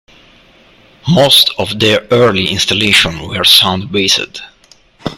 Most of their early installations were sound based.